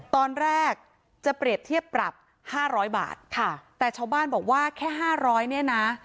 ตอนแรกจะเปรียบเทียบกรับ๕๐๐บาทแต่ชาวบ้านบอกว่าแค่๕๐๐เนี่ยนะ